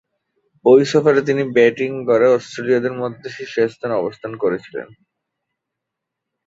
ঐ সফরে তিনি ব্যাটিং গড়ে অস্ট্রেলীয়দের মধ্যে শীর্ষস্থানে অবস্থান করেছিলেন।